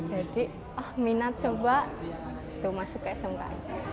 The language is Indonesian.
jadi minat coba masuk ke smki